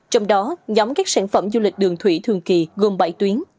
trong đó nhóm các sản phẩm du lịch đường thủy thường kỳ gồm bảy tuyến